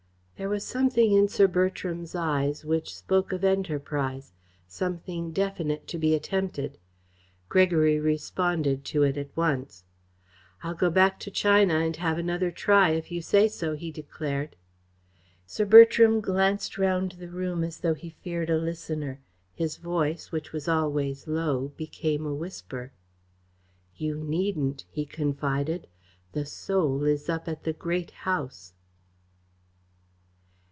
There was something in Sir Bertram's eyes which spoke of enterprise something definite to be attempted. Gregory responded to it at once. "I'll go back to China and have another try if you say so," he declared. Sir Bertram glanced round the room as though he feared a listener. His voice, which was always low, became a whisper. "You needn't," he confided. "The Soul is up at the Great House."